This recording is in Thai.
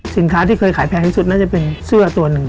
ที่เคยขายแพงที่สุดน่าจะเป็นเสื้อตัวหนึ่ง